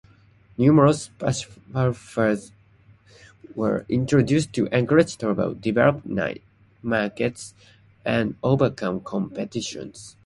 Numerous special fares were introduced to encourage travel, develop niche markets and overcome competitors.